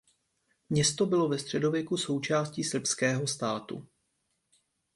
Město bylo ve středověku součástí srbského státu.